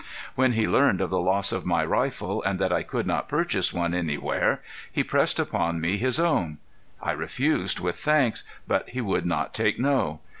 When he learned of the loss of my rifle and that I could not purchase one anywhere he pressed upon me his own. I refused with thanks, but he would not take no.